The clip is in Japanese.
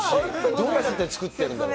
どうやって作ってるんだろう。